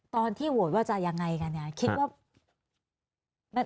ตอนที่โหวตว่าจะยังไงกันเนี่ยคิดว่า